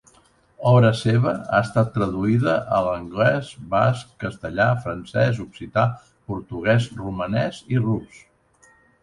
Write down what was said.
Obra seva ha estat traduïda a l'anglès, basc, castellà, francès, occità, portuguès, romanès i rus.